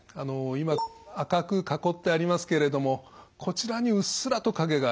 今赤く囲ってありますけれどもこちらにうっすらと影があります。